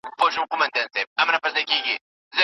د مور مینه ماشوم ته د خوندیتوب احساس ورکوي.